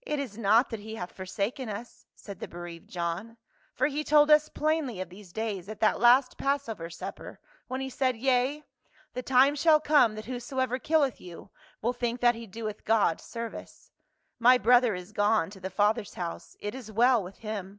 "It is not that he hath forsaken us," said the be rqaved John ;" for he told us plainly of these days at that' last passover supper when he said, * Yea, the time shall come that whosoever killeth you will think that he doeth God service.' My brother is gone to the Father's house ; it is well with him.